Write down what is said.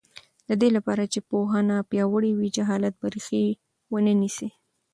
د دې لپاره چې پوهنه پیاوړې وي، جهالت به ریښه ونه نیسي.